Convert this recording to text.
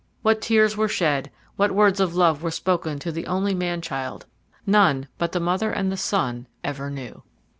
What tears were shed, what words of love were spoken to the only man child, none but the mother and the son ever knew.